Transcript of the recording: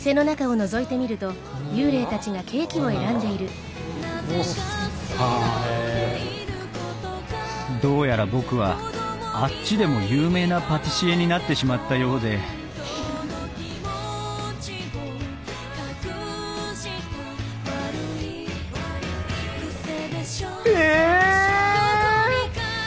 そしてどうやら僕は「あっち」でも有名なパティシエになってしまったようでえ！